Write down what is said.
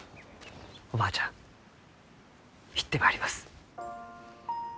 おばあちゃん行ってまいります。